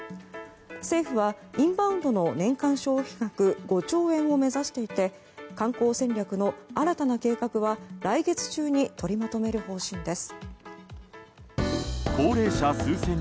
政府はインバウンドの年間消費額５兆円を目指していて観光戦略の新たな計画は来月中に取りまとめる方針です。